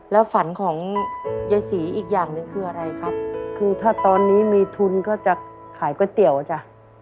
แล้วฝันของยายศรีอีกอย่างหนึ่งคืออะไรครับคือถ้าตอนนี้มีทุนก็จะขายก๋วยเตี๋ยวจ้ะ